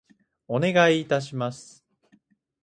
お願い致します。